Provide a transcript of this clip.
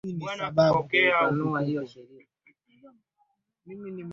eneo la Maka na Madina Kiongozi mpya aliyeitwa Muhamad aliunganisha